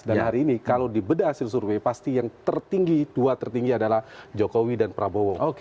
dan hari ini kalau dibeda hasil survei pasti yang tertinggi dua tertinggi adalah jokowi dan prabowo